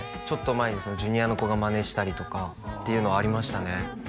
ちょっと前にジュニアの子がマネしたりとかっていうのはありましたね